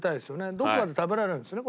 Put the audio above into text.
どこかで食べられるんですよね？